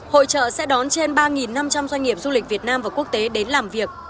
hội trợ sẽ đón trên ba năm trăm linh doanh nghiệp du lịch việt nam và quốc tế đến làm việc